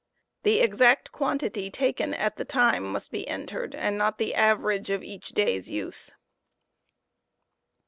The exact quantity taken at the time must be entered, and not the average of each day's use.